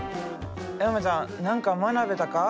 山ちゃん何か学べたか？